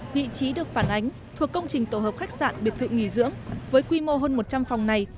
vị trí được phản ánh thuộc công trình tổ hợp khách sạn biệt thự nghỉ dưỡng với quy mô hơn một trăm linh phòng này